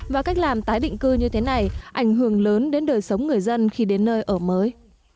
và cách làm tái định cư như thế này ảnh hưởng lớn đến đời sống người dân khi đến nơi ở mới